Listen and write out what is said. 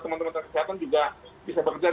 teman teman kesehatan juga bisa bekerja